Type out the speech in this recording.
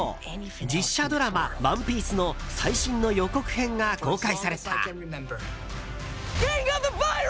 実写ドラマ「ＯＮＥＰＩＥＣＥ」の最新の予告編が公開された。